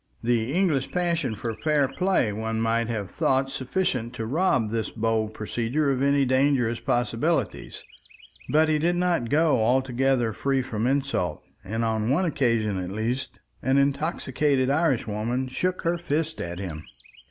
The English passion for fair play one might have thought sufficient to rob this bold procedure of any dangerous possibilities, but he did not go altogether free from insult, and on one occasion at least an intoxicated Irish woman shook her fist at him.